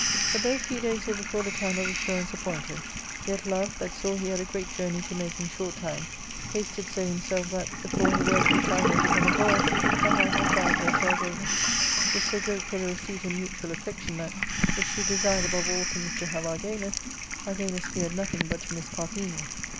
" But, though few days were before the time of assurance appointed, yet Love, \bat saw he had a great journey to make in short time,^asted so himself that, before her word could tie her to Demagoras, her heart hath vowed her to Argalus, with so grateful a receipt in mutual affection that, if she desired above all things to have Argalus, Argalus feared nothing but to miss Parthenia.